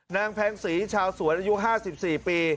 แพงศรีชาวสวนอายุ๕๔ปี